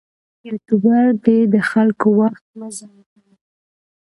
یوټوبر دې د خلکو وخت مه ضایع کوي.